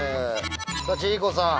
さあ、千里子さん